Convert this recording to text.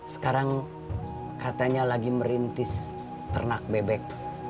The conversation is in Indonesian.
sekarang katanya lagi merintis ternak bebek